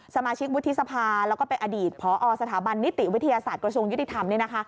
สมาชิกวุฒิสภาแล้วก็เป็นอดีตพอสถาบันนิติวิทยาศาสตร์กระทรวงยุติธรรม